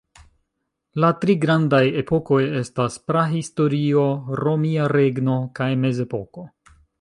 La tri grandaj epokoj estas Prahistorio, Romia Regno kaj Mezepoko.